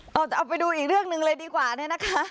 ต่อจะเอาไปดูอีกเรื่องหนึ่งเลยดีกว่านะคะ